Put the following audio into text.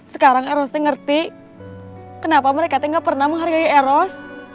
sekarang eros teh ngerti kenapa mereka teh gak pernah menghargai eros